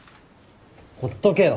ほっとけよ。